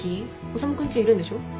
修君ちいるんでしょ？